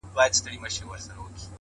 له ما پـرته وبـــل چــــــاتــــــه!